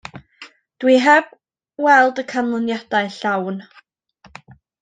Dw i heb weld y canyniadau llawn.